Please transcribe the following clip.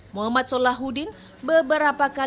saya tetap berdoa